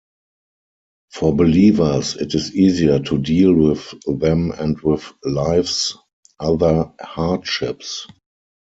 For believers, it is easier to deal with them and with life's other hardships.